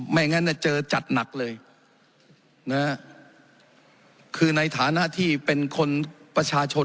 งั้นเจอจัดหนักเลยนะฮะคือในฐานะที่เป็นคนประชาชน